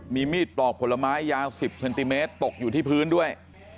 มีมีดปลอกผลไม้ยาว๑๐เซนติเมตรตกอยู่ที่พื้นด้วย